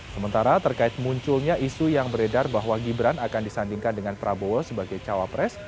sementara terkait munculnya isu yang beredar bahwa gibran akan disandingkan dengan prabowo sebagai cawapres